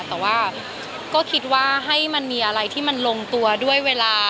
แต่ว่าก็คิดว่าให้มันมีอะไรที่มันลงตัวด้วยเวลา